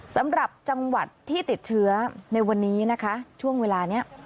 สำหรับจังหวัดที่ติดเชื้อในวันนี้นะคะช่วงเวลานี้